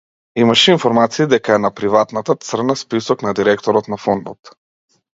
Имаше информации дека е на приватната црна список на директорот на фондот.